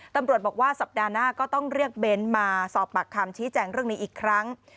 ตำรวจบอกว่าสัปดาห์หน้าก็ต้องเรียกเบ้นมาสอบปากคำชี้แจงเรื่องนี้อีกครั้ง